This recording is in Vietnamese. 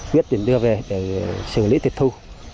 quyết định đưa về để xử lý tiệt thu